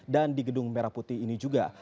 dan di gedung merah putih ini juga